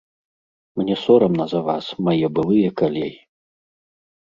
Мне сорамна за вас, мае былыя калегі.